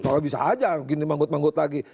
kalau bisa saja begini manggut manggut lagi